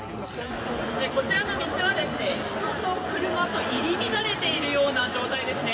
こちらの道は人と車と入り乱れているような状態です。